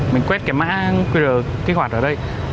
mình quét cái mã qr kích hoạt ở đây